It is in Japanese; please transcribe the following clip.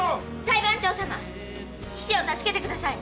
裁判長様父を助けてください！